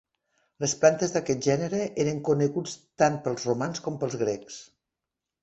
Les plantes d'aquest gènere eren coneguts tant pels romans com pels grecs.